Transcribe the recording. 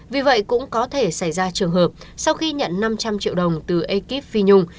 vì vậy cũng có thể xảy ra trường hợp sau khi nhận năm trăm linh triệu đồng từ ekip phi nhung